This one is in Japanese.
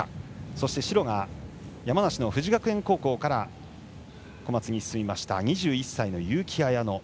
そして白が山梨の富士学苑高校からコマツに進みました２１歳の結城彩乃。